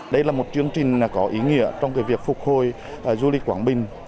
đây là một chương trình có ý nghĩa trong việc phục hồi du lịch quảng bình